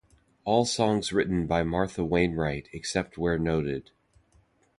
All songs written by Martha Wainwright except where noted.